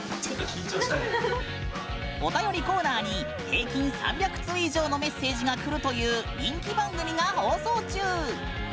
お便りコーナーに平均３００通以上のメッセージがくるという人気番組が放送中。